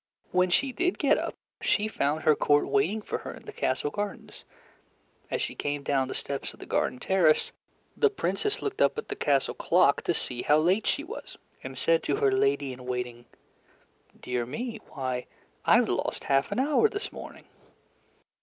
When she did get up, she found her court waiting for her in the castle gardens. As she came down the steps of the garden terrace, the Princess looked up at the castle clock to see how late she was, and said to her lady in waiting, "Dear me why, I've lost half an hour this morning!"